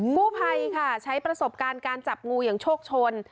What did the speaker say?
กู้ภัยค่ะใช้ประสบการณ์การจับงูอย่างโชคชน